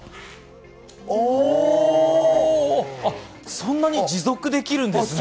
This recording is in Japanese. そんなに持続できるんですね。